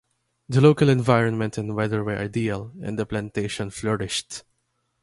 The local environment and weather were ideal, and the plantation flourished.